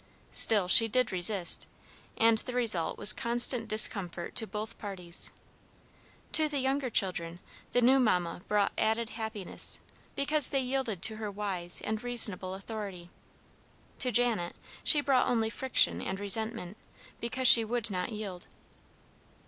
Still, she did resist, and the result was constant discomfort to both parties. To the younger children the new mamma brought added happiness, because they yielded to her wise and reasonable authority. To Janet she brought only friction and resentment, because she would not yield.